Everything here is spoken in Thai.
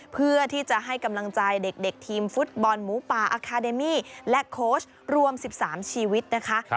เพื่อที่จะให้กำลังใจเด็กทีมฟุตบอลหมูป่าอาคาเดมี่และโค้ชรวม๑๓ชีวิตนะคะ